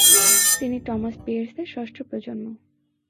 তিনি টমাস পিয়ের্সের ষষ্ঠ প্রজন্ম।